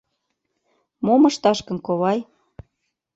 — Мом ышташ гын, ковай?